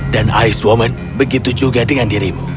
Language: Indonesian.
dan ice woman begitu juga dengan dirimu